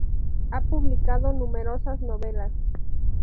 Ha publicado numerosas novelas.